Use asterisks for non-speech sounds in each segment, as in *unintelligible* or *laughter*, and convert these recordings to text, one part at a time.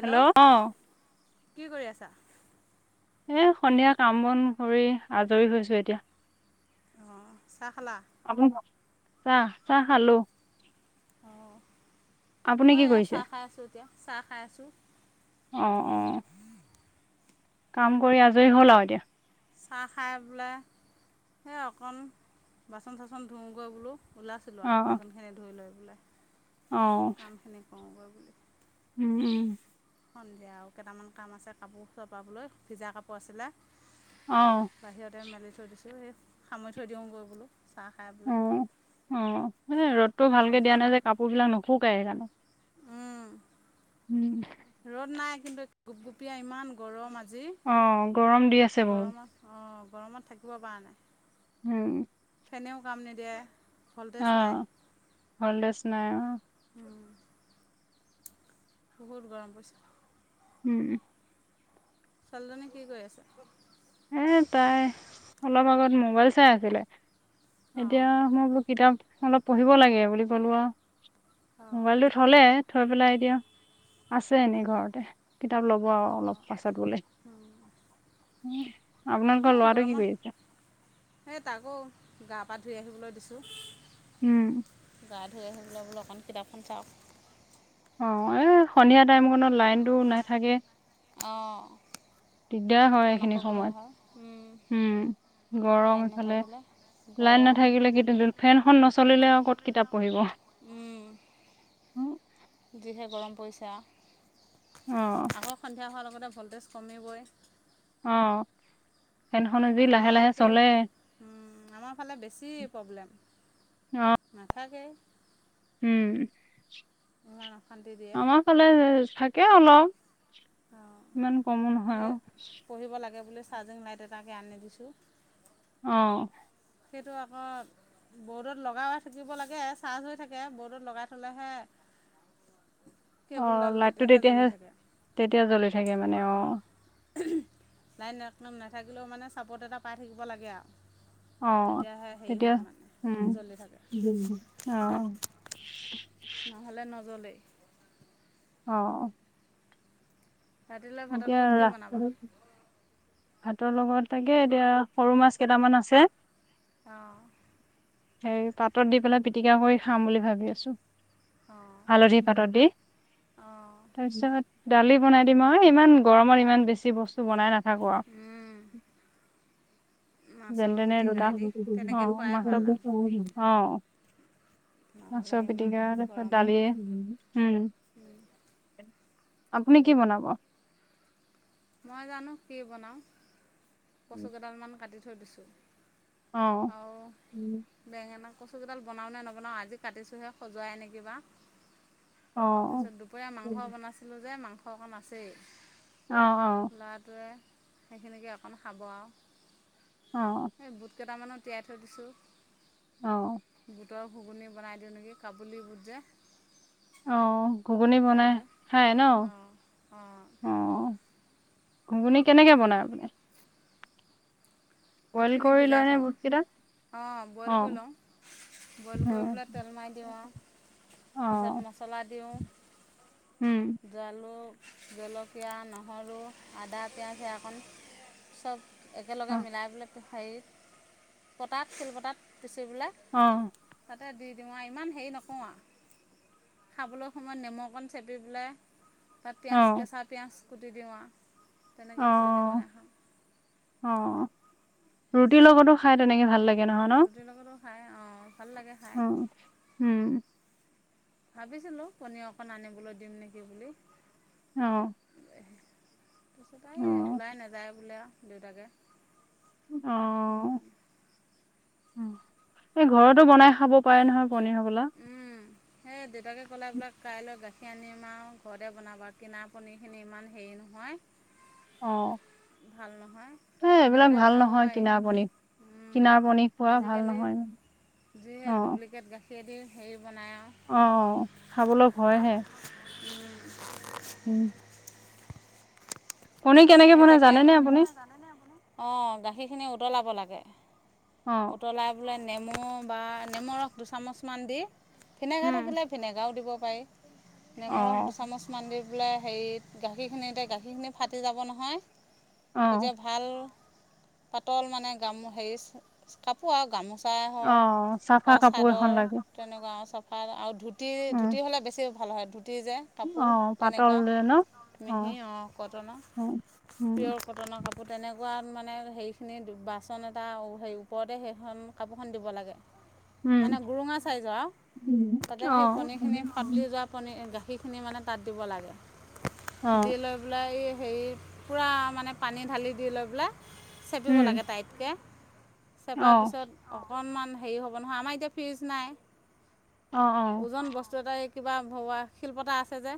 Hello অ কি কৰি আছা এ সন্ধিয়া কাম বন কৰি আজৰি হৈছো এতিয়া চখলা আপুনি চাহ - চাহ খালো। অ আপুনি মই কি এয়া কৰিছে চাহ খাই আছো এতিয়া চাহ খাই আছো আহ অ কাম কৰি আজৰি হল আৰু এতিয়া চাহ খাই বোলে সেই অকণ বাচন চচন ধুোওঁগৈ বোলো ওলাইছিলো অ আৰু আপাৰচনখিনি ধুই লৈ বোলে অ অ কামখিনি কৰোগৈ। উম উম সন্ধিয়া আৰু কেইটামান কাম আছে কাপোৰ চপাবলৈ ভিজা কাপোৰ আছিলে অ বাহিৰতে মেলি থৈ দিছো এই সামৰি থৈ দিওঁ গৈ বোলো চাহ খাই অ পেলাই অ মানে ৰ'দটো বাচন ভালকে দিয়া নাই যে কাপোৰ বিলাক নুশুকাই সেইকাৰণে উম উম ৰ'দ নাই কিন্তু গুপগুপীয়া ইমান গৰম আজ অ গৰম দি আছে বহুত অঁ গৰমত থাকিব পৰা নাই উম সেনেও কাম নিদিয়ে ভল্টেজ অ নাই হলডছ নাই বহুত গৰম পৰিছে। উম চাল্জানে কি কৰি আছে এ তাই অলপ আগত মোবাইল চাই আছিলে এতিয়া অঁ মই বোল কিতাপ অলপ পঢ়িব লাগে বুলি ক'লো আৰু অঁ মোবাইলটো থলে থৈ পেলাই এতিা আছে এনেই ঘৰতে কিতাপ ল'ব আৰু অলপ অঁ পাছত বলে আপোনাৰোক সেই লাৰ কি গৰমত কৰি আছে তপা ধুই আহিবলৈ দিছোঁ উম গা ধুই আহুবলৈ বোলো অকণ কিতাপখন চাওক অ এ সন্ধিয়া টাইমত লাইনতটো নাইথাকে অঁ দিগদা হয় ইমান এইখিনি অসুবিধা সময়ত হয় উম গৰম লাইন ইফালে নাথাকিলে লাইন নাথাকিলে কি গৰম ফেনখন নচলিলে নাথিলে আৰু ক'ত কিতাপ পঢ়িব ফনখন ন যিহে গৰম পৰিছে অ আগৰ সন্ধিয়া হোৱাৰ লগতে ভল্টেজ কমিবই আহ আমাৰ একে আমাৰ ফালে বেছি প্ৰব্লেম অ মাথথাে উম অশান্তি দিয়ে আমাৰ ফালে থাকে অলপ এই ইমান কম ন হয় আৰু চাজিং মাইট তাকে আনি দিছোঁ অ সেইটো আকৌ বৰ্ডত লগাই থাকিব লাগে চাৰ্জ হৈ থাকে বৰ্ডত লগাই থলেহে অহ, কেবুলডাল লাইটটো জ্বলি তেতিয়াহে- থাকে তেতিয়া জ্বলি থাকে মানে অ, অঁ লাইন এক নাথাকিলেও মানে চাপৰ্ট এটা পাই থাকিব লাগে আৰু। অ তেতিয়াহে হেৰি তেতিয়া হয় মানে উম জ্বলি থাকে অ নহ'লে নজ্বলে অ ৰাতিলৈ ভাতৰ এতিয়া লগত ৰা কি বনাবা ভাতৰ লগত থাকে এতিয়া সৰু মাছ কেইটামান আছে অ হে পাতত দি পেলাই পিটিকা কৰি খাম বুলি ভাবি আছো। অঁ হালধি পাতত দি অঁ তাৰপিছত দালি বনাই দিম আৰু ন ইমান গৰমত ইমান বেছি বস্তু বনাই নাথাকো আৰু মাছৰ যেনেে পিটিকাই দি তেনেকৈ খোৱাই ভাল আৰু অ নহ'লে মাছৰ ইমান পিটিকা তাৰপত গৰমত দালি হম আপুনি কি বনাব? মই জানো কি বনাওঁ কচু কেইডালমান কাটি থৈ দিছোঁ অ'। আও বেঙেনা কচু কেইডাল বনাওঁ নে নবনাওঁ, আজি কাটিছোঁহে। সজোৱাই নেকিবা অ', তাৰপিছত দুপৰীয়া মাংস বনাইছিলো যে মাংস অকণ আছেই। অ', ল'ৰাটোৱে সেইখিনিকে অকণ খাব আও। অ'। কেইটামানত তিয়াই থৈ দিছো অ', গুত *unintelligible* ঘুগুনি বনাই দিওঁ নেকি। কাবুলি বুট যে অ', ঘুগুনি বনাই সেয়াকে খায় ন। অঁ অঁ অ'। ঘুগুনি কেনেকে বনাই আপুনি? বইল কৰি লয়নে বুটকিটা? অ', বইল কৰি লওঁ। বইল কৰি উম পেলাই তেল মাৰি দিওঁ আও। অ পিছত মছলা দিওঁ। উম জলু জলকীয়া, নহৰু, আদা, পিঁয়াজ সেই অকণ চব একেলগে অ মিলাই পেলাই হেৰিত, পটাত, শিলপতাত পিচি পেলাই অ তাতে দি দিওঁ আও, ইমান হেৰি নকো আও। খাবলৈ সময়ত নেমু অকণ চেপি পেলাই তাত অ পিয়ঁয়াজ, কেঁচা পিয়ঁয়াজ কুটি দিওঁ আৰু তেনেকৈ অ ঘুগুনি বনাই খাওঁ। অ', ৰুটিৰ লগতো খাই তেনেকে ভাল লাগ ৰুটিৰ লগতো খাই আহ ভাল লাগে খাই। উম উম ভাবিছিলোঁ পনীৰ অকণ আনিবলৈ দিম নেকি বুলি। অ'। তাই অ এই ওলাই নাযায় বোলে আৰু দেউতাকে অ', সেইকাৰণে এই ঘৰতো বনাই খাব পাৰে নহয়। পনীৰ হবলা উম, হেই দেউতাকে ক'লে বোলা কাইলৈ গাখ এ আনিম আও, ঘৰতে বনাব। কিনা পনীৰখিনি ইমান হেৰি নহয় অ ভাল নহয়। এ এইবিলাক ঘৰতে ভাল বনাব নহয় পাৰি কিনাৰ পনীৰ। উম কিনাৰ পনীৰ খোৱা ভাল আজিকালি নহয়। অ যিহে ডুপ্লিকেট গাখীয়ে দি হেৰি বনাই আ অ', খাবলৈ ভয়হে। উম। পনীৰ কেনেকে বনাই জানে নে আপুনি? অ', গাখি খিনি উতলাব লাগে। অ উতলাই পেলাই নেম অ', বা, নেমুৰস দুচামুচমান দি, ভিনেগা উম থাকিলে ভিনেগাও দিব পাৰি। অ নেমু ৰস দুচামুচমান দি পেলাই, হেৰিত গাখীৰখিনিতে, গাখীৰখিনি ফাটি যাব নহয় অ তেতিয়া ভাল পাতল মানে গামো, হেইচ, উম, কাপোৰ আও গামোচা। চাই অ হওক চাফা বা কাপোৰ এখন চাদৰ লাগে তেনেকুৱা চব। আৰু ধুতি, উম ধুতি হ'লে বেছি ভাল হয়। ধুত এই যে কাপোৰ অ পাতল তেনেকুৱা যে ন মিহি অ', কটনৰ অ উম পিয়'ৰ কটনৰ কাপোৰ তেনেকুৱা, মানে হেৰিখিনি বাচন এটা অ'ও, হেৰি ওপৰতে হেইখন কাপোৰখন দিব লাগে। উম মানে গুৰুঙা চাইজ আৰু, তাতে অ সেই পণীৰখিনি ফাটি যোৱা পনী-গা সেইখিনি মানে তাত দিব লাগে। অ দি লৈ পেলাই এই হেই পুৰা মানে পানী ঢালি দি লৈ পেলাই চেপিব উম লাগে টাইটকে। অ চেপাৰ পিছত অকণমান হেৰি হ'ব নহয়, আমাৰ এতিয়া ফ্ৰিজ নাই অ অ ওজন বস্তু এটা, এই কিবা ভওৱা শিলপতা আছে যে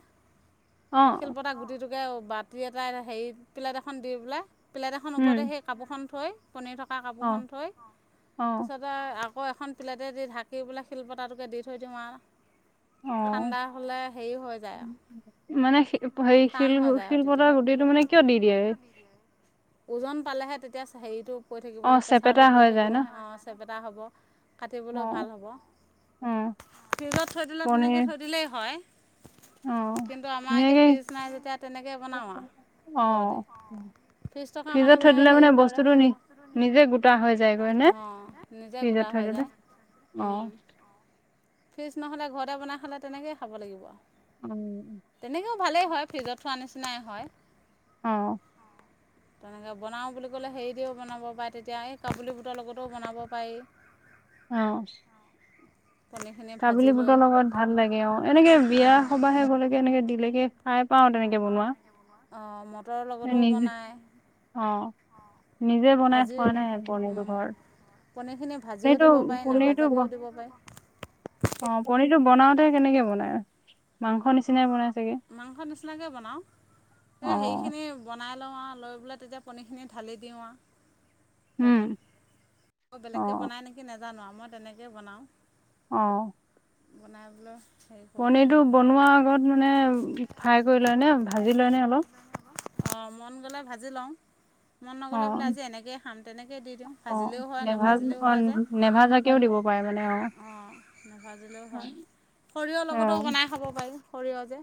অ শিলপতা গুটিটোকে বতি এটা হেৰি প্লেট এখন দি পেলাই প্লেট এখন উম ওপৰতে হেই কাপোৰখন থৈ, পনীৰ থকা অ কাপোৰখন থৈ। অ পিছতে আও আকৌ এখন প্লেটে দি ঢাকি পেলাই শিলপতটোকে দি থৈ দিও আৰু। অ ঠাণ্ডা হ'লে হেৰি হৈ যায়। মানে, হেৰি শিল টান হৈ যায় আৰু তেতিয়া। শিলপতাৰ গুটিটো মানে কিয় দি দিয়ে ওজন পালেহে তেতিয়া হেৰিটো ৰি থাকিব অ যে চেপেটা প্ৰেছাৰটো পৰি হৈ যায় ন থাকিলে চেপেটা হ'ব, অ কাটিবলৈ ভাল হ'ব। অ ফিজত থৈ দিলে তেনেকে পনীৰ থৈ দিলেই হয়। অ কিন্তু আমাৰ এতিয়া ধুনীয়াকে ফ্ৰিজ নাই যেতিয়া তেনেকেই বনাওঁ আৰু। অ হ দে ত্ৰিশ টকা ফ্ৰিজত মানুহে থৈ দিলে মানে হেৰি কৰে, বস্তুটো নি নিজে গোটা হৈ যায়গৈ নে নিজে গোটা হয় *inaudible* আহ। ফিজ নহ'লে ঘৰতে বনাই খালে তেনেকেই খাব লাগিব। উম। তেনেকৈও ভালেই হয় ফ্ৰিজত থোৱা নিচিনাই হয়। অ। *inaudible* তেনেকৈ বনাওঁ বুলি ক'লে হেৰি দিও বনাব পাৰে তেতিয়া এই কাবুলি বুটৰ লগতও বনাব পাৰি। অ। পনীৰখিনি ভাজি কাবিলি লৈ বুটৰ লগত ভাল লাগে অ, এনেকে বিয়া অঁ সবাহে গলেকে এনেকে দিলেকে খাই পাও নেকে বনোৱা অঁ মটৰৰ এ লগতো নিজে বনায়, অ' অঁ নিজে বনাই খোৱা নাই পনীৰটো ঘৰ পনীৰখিনি ভাজিও দিব পাৰি ব নাভাজাকেও দিব পাৰে। অ পনিৰটো বনাওতে কেনেকে বনাই, মাংস নিচিনাই বনাই চাগে মাংস নিচিনাকৈ বনাওঁ, এই অ' হেৰিখিনি বনাই লওঁ আৰু লৈ পেলাই তেতিয়া পনীখিনি ঢালি দিওঁ আৰু। উম তাতেই, বেলেগকৈ অ' বনায় নেকি নাজানো আৰু মই তেনেকৈ বনাওঁ। আহ। বনাই বলৈ পনিৰটো বনোৱাৰ আগত মানে ফ্ৰাই কৰি লয় নে, ভাজি লয় নে অলপ? অ মন গ'লে ভাজি লওঁ। মন নগ'লে বোলে অ' আজি এনেকৈয়ে খাম তেনেকয় দি দিও অ' ভাজিলেও হয় নেভাজ নাভাজিলেও অ' হয় যায়। নেভাজাকেও দিব পাৰে মানে অ, নাভাজিলেও হয় সৰিয়হৰ লগতো বনাই খাব পাৰি। সৰিয়হ যে,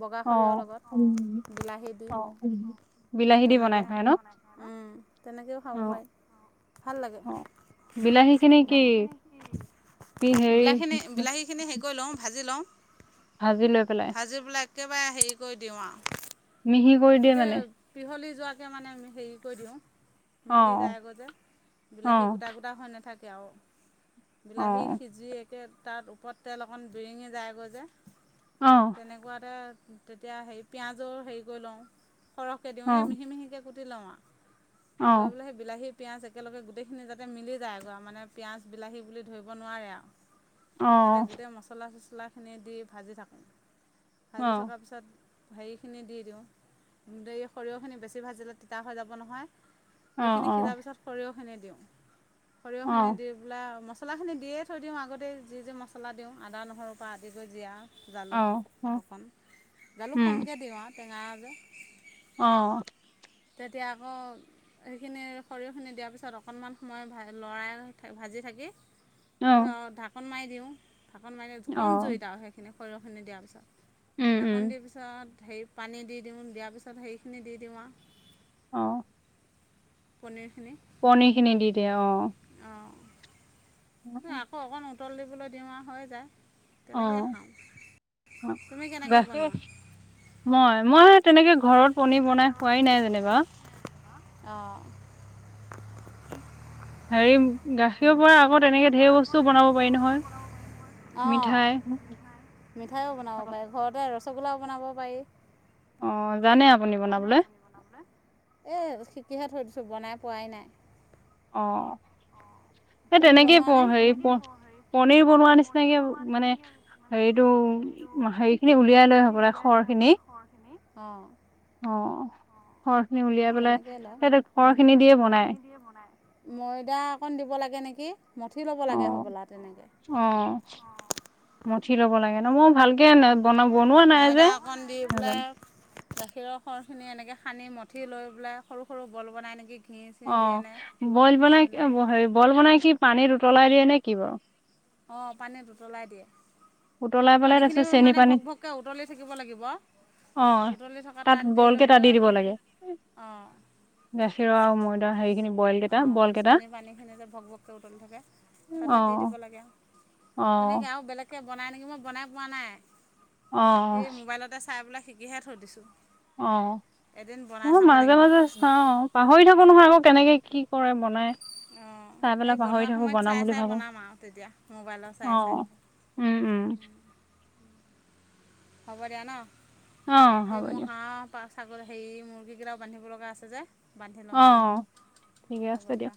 বগা অ' সৰিয়হৰ লগত, অ' বিলাহী দি। অ'। বিলাহী দি বনাই তেনেকে, খাই ন? উম, তেনেকেও খাব অ', পায়। ভাল লাগে, অ'। বিলাহী খিনি কি জানা পি হেৰি বিলাহীখিনি, বিলাহীখিনি হেৰি কৰি লওঁ ভাজি লওঁ। ভাজি লৈ পেলাই ভাজি পেলাই একেবাৰে হেৰি কৰি দিওঁ আ মিহি কৰি দিয়ে মানে। পিহলি যোৱাকৈ মানে হেৰি কৰি দিও, মিলি অ', যায়গ' যে, বিলাহী অ', গোটা-গোটা হৈ নাথা এতিয়া আৰু বিলাহী অ', সিজি একে তাত ওপৰত তেল অকণ বিৰিঙি যায়গ' যে। অ', তেনেকুৱাতে তেতিয়া হেৰি পিঁয়াজৰ হেৰি কৰি লওঁ। সৰহকে দিওঁ, এই অ', মিহি-মিহিকে কুটি লওঁ আৰু, অ', লৈ পেলাই সেই বিলাহী পিঁয়াজ একেলগে গোটেইখিনি যাতে মিলি যায়, মানে পিঁয়াজ বিলাহী বুলি ধৰিব নোৱাৰে অ', অ', তাতে অ', গোটেই মছলা-চছলাখিনি দি ভাজি থাক, ভাজি থকাৰ পিছত হেৰিখিনি দি দিওঁ, দে সৰিয়হখিনি বেছি ভাজিলে তিতা হৈ যাব নহয়। সেইখিনি সিজাৰ পিছত সৰিয়হখিনি দিওঁ, সৰিয়হখিনি অ', দি পেলাই ম মছলাখিনি দিয়ে থৈ দিও আগতে যি - যি মছলা দিও আদা নহৰুৰ পৰা আদি কৰি জিৰা জালুক, অ', অ', অকণ জালুক উম, কমকৈ দিওঁ আৰু টেঙা যে। অ। তেতিয়া আকৌ সেইখিনি সৰিয়হখিনি দিয়াৰ পিছত অকণমান সময় লৰাই ভাজি জ অ', থাকে। ঢাকোন মাৰি দিওঁ ঢাকোন মাৰি কম অ', জুইত আৰু সেইখিনি সৰিয়হখিনি দিয়াৰ পিছত উম, ণ উম, দি পিছত হেৰি পানী দি দিওঁ দিয়াৰ পিছত সেইৰিখিনি দি দিওঁ আৰু আহ পনে পনীৰ খিনি দি দিয়া অ অঁ আকৌ অকণ উতল দিবলৈ দিম হৈ যায় অ তেনেকৈয়ে খাওঁ তুমি কেনেকৈ বাকী বনোৱা মই মই তেনেকে ঘৰত পনিৰ বনাই খোৱাই নাই যেনিবা আহঁ হেৰি গাখীৰ পৰা আকৌ তেনেকে ঢেৰ বস্তুও বনাব পাৰি নহয় অঁ মিঠাই মিঠাইও বনাব পাৰি ঘৰতে ৰসগোল্লাও বনাব পাৰি জানে অ আপুনি জানে বনাবলে? আপুনি বনাবলে এ কিহে থৈ দিছোঁ বনাই পোৱাই নাই আহ স তুমি তেনেকেই বনোৱা নে? হেৰি পনিৰ বনোৱা নিচিনাকে মানে হেৰিতটো হেৰি খিনি উলিয়াই লৈ হবলে খৰ খিনি অ ঘৰখিনি উলিয়াই পেলাই সিহতে ঘৰখিনি দিয়ে বনাই ময়দা অকণ দিব লাগে নেকি মঠি লব লাগে অ' হবলা তেনেকে অ' মঠি ল'ব লাগে ন মই ভালক ময়দা অকণ দি পোাই নাজানো গাখীৰৰ খৰখিনি এনেকে সানি মঠি লৈ পেলাই সৰু সৰু বল বনাই নেকি ঘি চি অ দিয়ে নে বইল বনাই তেনেকৈ হে বইল বনাই কি পানীত উতলাই দিয়ে নে কি বাৰু অ পানী উতলাই দিয়ে উতলাই পেলাই তাৰপিছত পানীখিনিও চেনি মানে ভক পানীত ভককে উতলি থাকিব লাগিব অ উতলি থকা তাত লৈ বলকে তাত দি পেলাই দিব লাগে অঁ নেখি ৰ আৰু ময়দা হেৰিখিনি বইল কেইটা অঁ বল কেইটা চেনী পানীখিনিতে ভক ভককৈ উতলি থাকে তাতে অ দি দিব লাগে অ তেনেকে আৰু বেলেগ এতিয়া বনাই নেকি মই বনাই পোৱা নাই অ সেই মোবাইলতে চাই পেলাই শিকিহে থৈ দিছোঁ অ এদিন বনাই মই চাব মাজে লাগিব মাজে চাওঁ অ পাহৰি থাকো নহয় আকৌ কেনেকে কি কৰে বনায় অঁ এই বনোৱা সময়ত চাই বুলি চাই ভাবো বনাম আৰু তেতিয়া মোবাইলৰ অ চাই চাই উম উম হ'ব দিয় ন অ হ'ব দিয়াক আাগৰ হেৰি মুৰ্গীকেইটাও বান্ধিব লগা আছে যে বান্ধি অ লওঁগৈ ঠিকে হ'ব আছে দিয়ক দিয়া